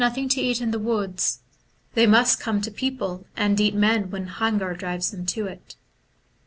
263 find nothing to eat in the woods, they must come to people and eat men when hunger drives them to it.